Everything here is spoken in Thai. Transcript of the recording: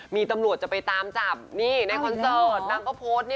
มีตำรวจจะไปตามจับนี่ในคอนเสิร์ตนางก็โพสต์นี่